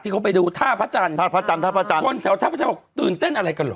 ที่เขาไปดูท่าประจันคนแถวท่าประจันตื่นเต้นอะไรกันเหรอ